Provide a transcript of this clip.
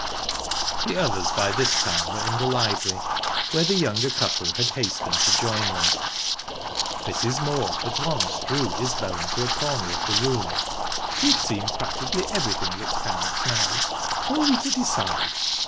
The others by this time were in the library, where the younger couple hastened to join them. Mrs. Moor at once drew Isbel into a corner of the room. "We've seen practically everything that counts now. How are we to decide?"